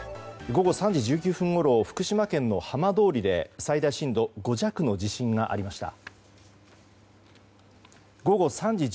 午後３時１９分ごろ福島県浜通りで最大震度５弱の地震がありました。